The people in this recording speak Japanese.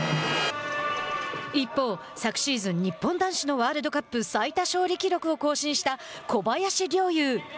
一方、昨シーズン日本男子のワールドカップ最多勝利記録を更新した小林陵侑。